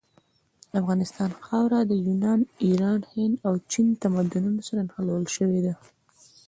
د افغانستان خاوره د یونان، ایران، هند او چین تمدنونو سره نښلول سوي ده.